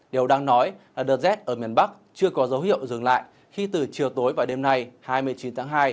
điều đang nói là đợt rét ở miền bắc chưa có dấu hiệu dừng lại khi từ chiều tối vào đêm nay hai mươi chín tháng hai